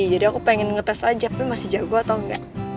jadi aku pengen ngetes aja tapi masih jago atau enggak